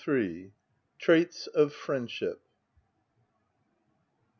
TRAITS OF FRIENDSHIP.